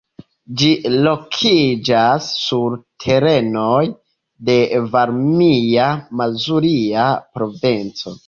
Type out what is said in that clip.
Ĝi lokiĝas sur terenoj de Varmia-Mazuria Provinco.